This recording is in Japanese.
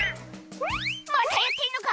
「またやってんのか！